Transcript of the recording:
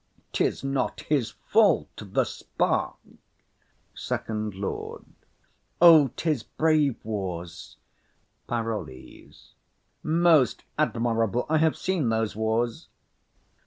'Tis not his fault; the spark. SECOND LORD. O, 'tis brave wars! PAROLLES. Most admirable! I have seen those wars.